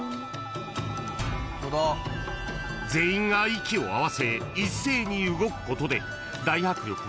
［全員が息を合わせ一斉に動くことで大迫力のやり